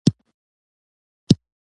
پښتانه په اصل کې سپين پوټکي اريايان دي